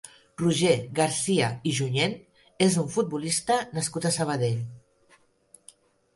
Roger Garcia i Junyent és un futbolista nascut a Sabadell.